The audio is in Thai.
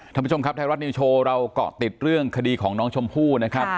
ท่านผู้ชมครับไทยรัฐนิวโชว์เราเกาะติดเรื่องคดีของน้องชมพู่นะครับ